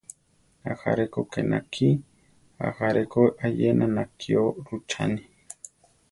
Ajaré ko ké nakí; ajaré ko ayena nakió rucháni.